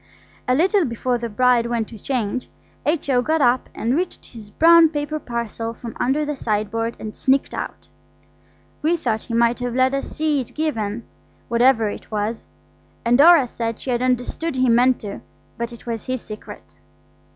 A little before the bride went to change, H.O. got up and reached his brown paper parcel from under the sideboard and sneaked out. We thought he might have let us see it given, whatever it was. And Dora said she had understood he meant to; but it was his secret.